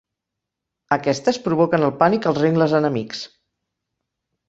Aquestes provoquen el pànic als rengles enemics.